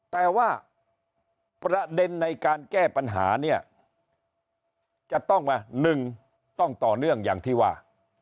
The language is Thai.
แต่ว่าประเด็นในการแก้ปัญหาเนี่ยจะต้องมา๑ต้องต่อเนื่องอย่างที่ว่า